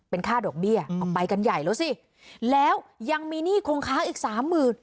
ค่าดอกเบี้ยออกไปกันใหญ่แล้วสิแล้วยังมีหนี้คงค้างอีกสามหมื่น